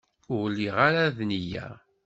Ur lliɣ ara d nniya.